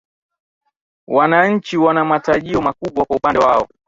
Wananchi wana matarajio makubwa kwa upande wao